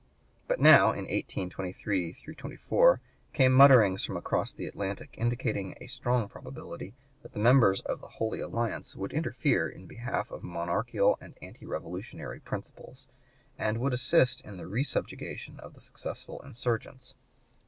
But now, in 1823 24, came mutterings from across the Atlantic indicating a strong probability that the members of the Holy Alliance would interfere in behalf of monarchical and anti revolutionary principles, and would assist in the resubjugation of the successful insurgents.